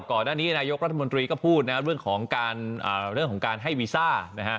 ก่อนหน้านี้นายกรัฐมนตรีก็พูดนะฮะเรื่องของการให้วีซ่านะฮะ